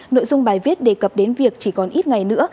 nội dung bài viết đề cập đến việc chỉ còn ít ngày nữa